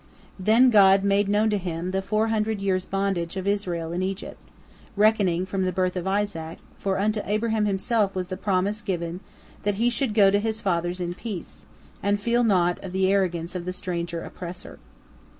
Then God made known to him the four hundred years' bondage of Israel in Egypt, reckoning from the birth of Isaac, for unto Abraham himself was the promise given that he should go to his fathers in peace, and feel naught of the arrogance of the stranger oppressor.